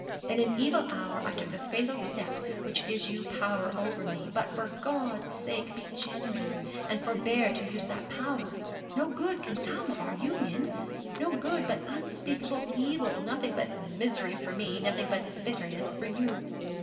In an evil hour I took the fatal step which gives you power over me. But, for God's sake, be generous, and forbear to use that power. No good can ever come of our union no good, but unspeakable evil; nothing but misery for me nothing but bitterness for you.